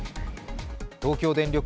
東京電力